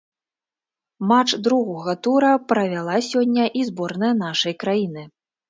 Матч другога тура правяла сёння і зборная нашай краіны.